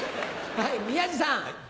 はい宮治さん。